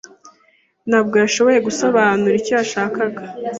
Ntabwo yashoboye gusobanura icyo yashakaga.